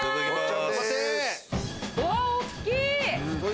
うわ大っきい！